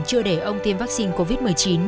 chưa để ông tiêm vaccine covid một mươi chín